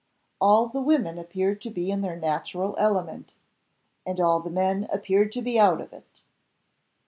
All the women appeared to be in their natural element; and all the men appeared to be out of it.